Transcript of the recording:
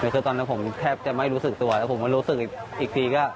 คือตอนนั้นผมแทบจะไม่รู้สึกตัวแล้วผมก็รู้สึกอีกทีก็